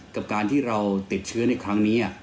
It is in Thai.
กับการที่เราติดเชื้อในครั้งนี้